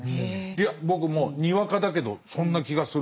いや僕もにわかだけどそんな気がする。